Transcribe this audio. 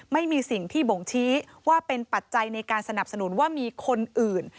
ไม่มีสิ่งที่บ่งชี้ว่าเป็นปัจจัยในการสนับสนุนว่ามีคนอื่น